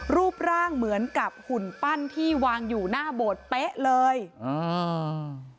รูปร่างเหมือนกับหุ่นปั้นที่วางอยู่หน้าโบสถ์เป๊ะเลยอ่า